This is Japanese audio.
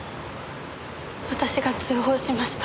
私が通報しました。